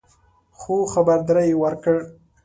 خو خبرداری یې ورکړ